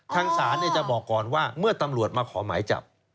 ทางศาลจะบอกก่อนว่าเมื่อตำรวจมาขอหมายจับ